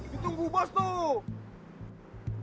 ditunggu bos tuh